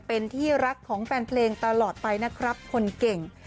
เป็นที่รักของแฟนเพลงตลอดไปนะครับคนเก่ง